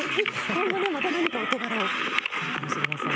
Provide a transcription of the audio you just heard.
今後何かお手柄を上げるかもしれません。